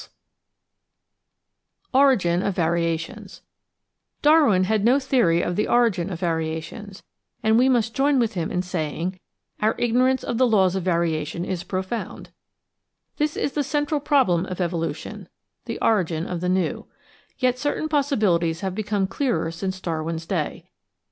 from rose X pea b sonable Mendeliai How Darwinism ^ands To Day 877 Origin of Variations Darwin had no theory of the origin of variations, and we must join with him in saying ''our ignorance of the laws of varia tion is profound/' This is the central problem of evolution — the origin of the new. Yet certain possibilities have become clearer since Darwin's day.